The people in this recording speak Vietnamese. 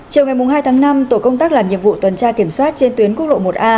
chiều ngày hai tháng năm tổ công tác làm nhiệm vụ tuần tra kiểm soát trên tuyến quốc lộ một a